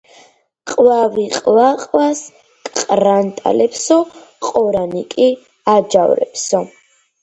.ყვავი ყვა-ყვას ყრანტალებსო, ყორანი კი აჯავრებსო.